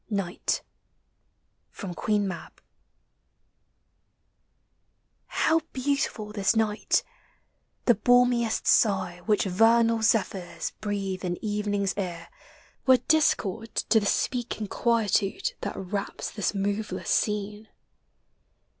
NIGHT. FROM " QUEEN MAB." How beautiful this night! the balmiest sigh Which vernal zephyrs breathe in evening's ear Were discord to the speaking quietude That wraps this moveless scene.